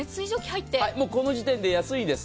この時点で安いんです。